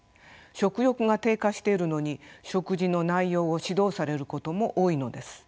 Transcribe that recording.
食欲が低下してるのに食事の内容を指導されることも多いのです。